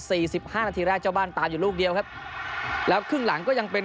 สิบห้านาทีแรกเจ้าบ้านตามอยู่ลูกเดียวครับแล้วครึ่งหลังก็ยังเป็น